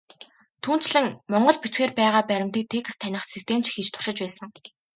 Түүнчлэн, монгол бичгээр байгаа баримтыг текст таних систем ч хийж туршиж байсан.